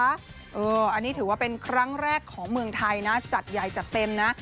อันนี้ถือว่าเป็นครั้งแรกของเมืองไทยนะจัดใหญ่จัดเต็มนะ